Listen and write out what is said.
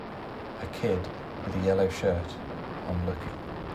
a kid with a yellow shirt on looking